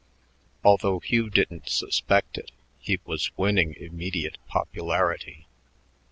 Although Hugh didn't suspect it, he was winning immediate popularity.